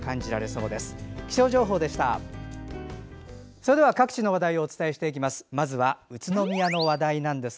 それでは各地の話題をお伝えします。